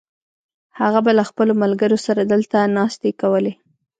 هغه به له خپلو ملګرو سره دلته ناستې کولې.